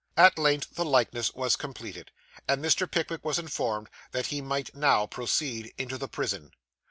At length the likeness was completed, and Mr. Pickwick was informed that he might now proceed into the prison.